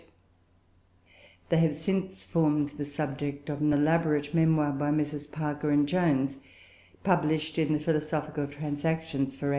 They have since formed the subject of an elaborate Memoir by Messrs. Parker and Jones, published in the Philosophical Transactions for 1865.